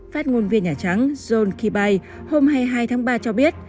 phát ngôn viên nhà trắng john kibay hôm hai mươi hai tháng ba cho biết